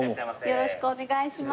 よろしくお願いします。